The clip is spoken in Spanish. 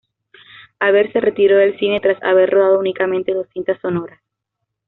Haver se retiró del cine tras haber rodado únicamente dos cintas sonoras.